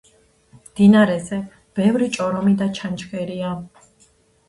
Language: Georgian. მდინარეზე ბევრი ჭორომი და ჩანჩქერია.